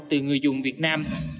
từ người dùng việt nam